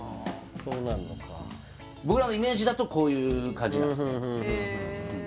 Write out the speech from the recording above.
そうなるのか僕らのイメージだとこういう感じなんですね